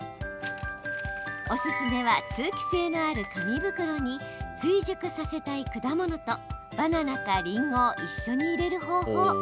おすすめは通気性のある紙袋に追熟させたい果物とバナナか、りんごを一緒に入れる方法。